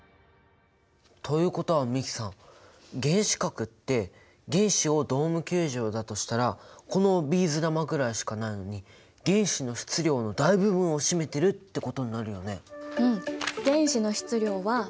原子核って原子をドーム球場だとしたらこのビーズ玉ぐらいしかないのに原子の質量の大部分を占めてるってことになるよね。